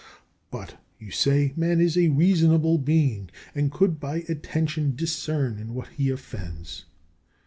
But, you say, man is a reasonable being, and could by attention discern in what he offends.